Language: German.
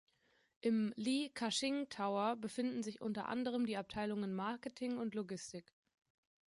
Im "Li Ka-shing Tower" befinden sich unter anderem die Abteilungen Marketing und Logistik.